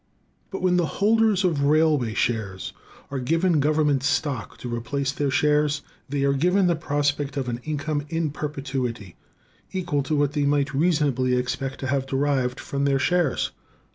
But when the holders of railway shares are given government stock to replace their shares, they are given the prospect of an income in perpetuity equal to what they might reasonably expect to have derived from their shares.